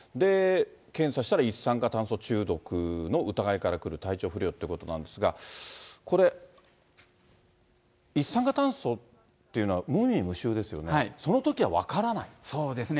検査したら一酸化炭素中毒の疑いからくる体調不良ってことなんですが、これ、一酸化炭素っていうのは無味無臭ですよね、そのときは分からないそうですね。